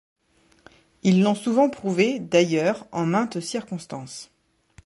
Ils l’ont souvent prouvé, d’ailleurs, en mainte circonstance.